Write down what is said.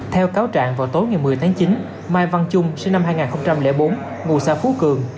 theo cáo trạng vào tối ngày một mươi tháng chín mai văn trung sinh năm hai nghìn bốn ngụ xã phú cường